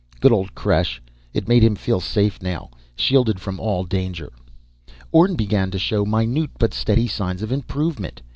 Good old creche. It made him feel safe now, shielded from all danger. Orne began to show minute but steady signs of improvement.